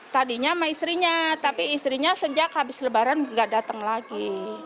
tadinya sama istrinya tapi istrinya sejak habis lebaran nggak datang lagi